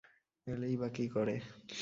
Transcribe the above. এলেই বা কী করে?